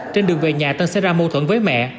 trên đường về nhà tân xảy ra mâu thuẫn với mẹ